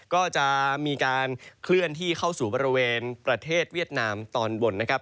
ก็จะมีการเคลื่อนที่เข้าสู่บริเวณประเทศเวียดนามตอนบนนะครับ